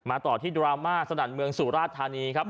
ต่อที่ดราม่าสนั่นเมืองสุราชธานีครับ